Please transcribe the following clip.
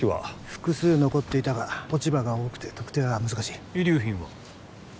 複数残っていたが落ち葉が多くて特定は難しい遺留品は？